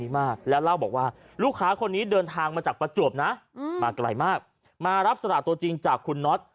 มารับสลากตัวจริงจากคุณน็อต